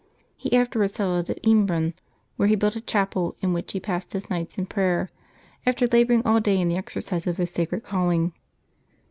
He afterwards settled at Embrun, where he built a chapel in which he passed his nights in prayer, after laboring all the day in the exercise of his sacred calling.